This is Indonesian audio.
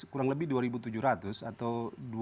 kurang lebih dua tujuh ratus atau